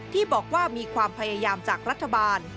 ที่บอกว่ามีความพยายามจากรัฐบาล